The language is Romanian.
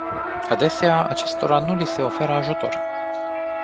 Adesea, acestora nu li se oferă ajutor.